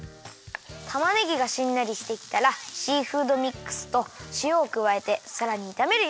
たまねぎがしんなりしてきたらシーフードミックスとしおをくわえてさらにいためるよ。